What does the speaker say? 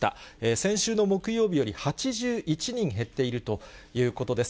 先週の木曜日より８１人減っているということです。